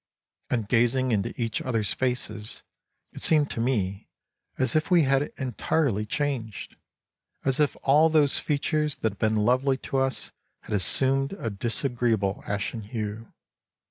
And gazing into each other's faces, it seemed to me as if we had entirely changed, as if all those features that had been lovely to us had assumed a disagreeable ashen hue.